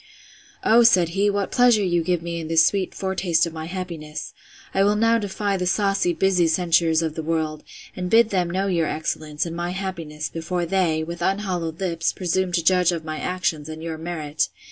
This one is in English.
O, said he, what pleasure you give me in this sweet foretaste of my happiness! I will now defy the saucy, busy censurers of the world; and bid them know your excellence, and my happiness, before they, with unhallowed lips, presume to judge of my actions, and your merit!